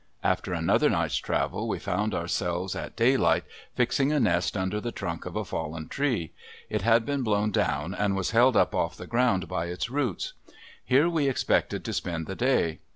After another night's travel we found ourselves at daylight fixing a nest under the trunk of a fallen tree. It had been blown down and was held up off the ground by its roots. Here we expected to spend the day.